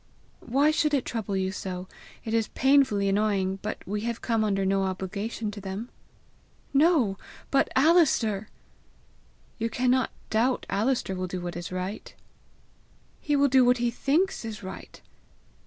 Why should it trouble you so! It is painfully annoying, but we have come under no obligation to them!" "No; but Alister!" "You cannot doubt Alister will do what is right!" "He will do what he thinks right!"